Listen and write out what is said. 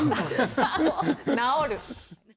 治る。